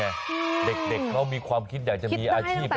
นี่เป็นไงเด็กเขามีความคิดอยากจะมีอาชีพนะ